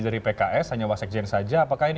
dari pks hanya wasekjen saja apakah ini